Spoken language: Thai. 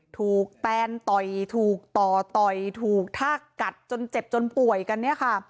แตนต่อยถูกต่อต่อยถูกทากกัดจนเจ็บจนป่วยกันเนี่ยค่ะ